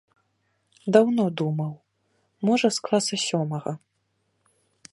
Даўно думаў, можа з класа сёмага.